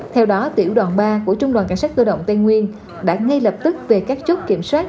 theo đó tiểu đoàn ba của trung đoàn cảnh sát cơ động tây nguyên đã ngay lập tức về các chốt kiểm soát